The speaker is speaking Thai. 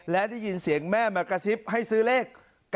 และได้ยินเสียงแม่มากระซิบให้ซื้อเลข๙